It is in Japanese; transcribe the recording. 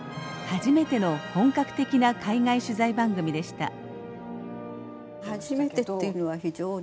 初めての本格的な海外取材番組でした。